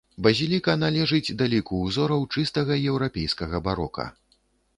Базіліка належыць да ліку ўзораў чыстага еўрапейскага барока.